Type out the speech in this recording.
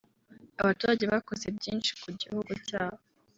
abaturage bakoze byinshi ku gihugu cyabo